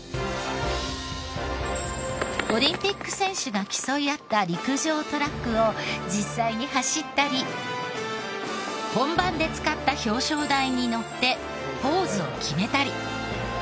オリンピック選手が競い合った陸上トラックを実際に走ったり本番で使った表彰台にのってポーズを決めたり。